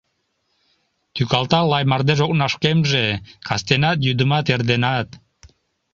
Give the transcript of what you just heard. Тӱкалта лай мардеж окнашкемже Кастенат, йӱдымат, эрденат.